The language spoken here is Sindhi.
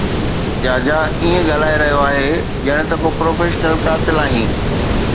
جاجا ائين ڳالهائي رهيو آهي ڄڻ ته ڪو پروفيشنل قاتل آهين